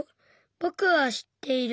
ぼくは知っている。